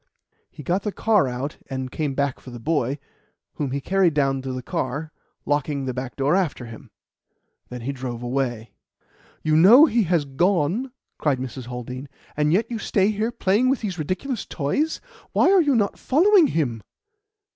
He got the car out and came back for the boy, whom he carried down to the car, locking the back door after him. Then he drove away." "You know he has gone," cried Mrs. Haldean, "and yet you stay here playing with these ridiculous toys. Why are you not following him?"